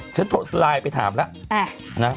ฉันไลน์ไปถามแล้ว